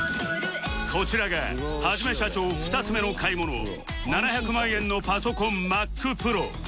こちらがはじめしゃちょー２つ目の買い物７００万円のパソコン ＭａｃＰｒｏ